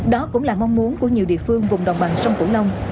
đó cũng là mong muốn của nhiều địa phương vùng đồng bằng sông cửu long